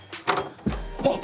あっ！